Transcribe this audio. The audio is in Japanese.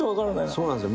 そうなんですよ